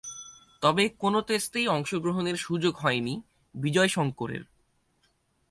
তবে, কোন টেস্টেই অংশগ্রহণের সুযোগ হয়নি বিজয় শঙ্করের।